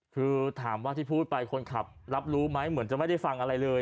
คือถามว่าที่พูดไปคนขับรับรู้ไหมเหมือนจะไม่ได้ฟังอะไรเลย